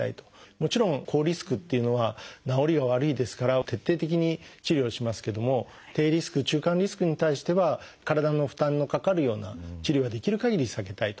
もちろん高リスクというのは治りが悪いですから徹底的に治療しますけども低リスク中間リスクに対しては体の負担のかかるような治療はできるかぎり避けたいと。